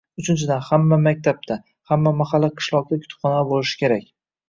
Uchinchidan: hamma maktabda, hamma mahalla-qishloqda kutubxonalar bo‘lishi kerak.